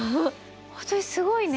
本当にすごいね。